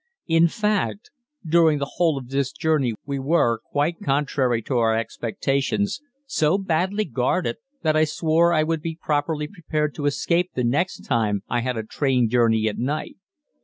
In fact, during the whole of this journey we were, quite contrary to our expectations, so badly guarded that I swore I would be properly prepared to escape the next time I had a train journey at night.